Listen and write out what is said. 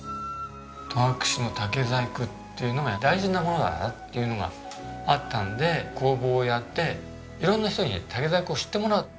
戸隠の竹細工っていうのが大事なものだなっていうのがあったので工房をやって色んな人に竹細工を知ってもらう。